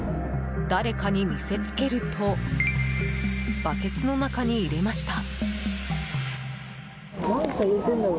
誰かに見せつけるとバケツの中に入れました。